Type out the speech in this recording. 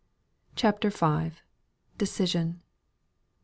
CHAPTER V. DECISION.